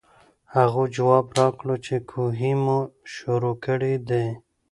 هغو جواب راکړو چې کوهے مو شورو کړے دے ـ